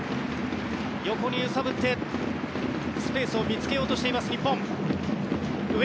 横に揺さぶってスペースを見つけようとする日本。